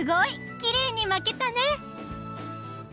きれいに巻けたね！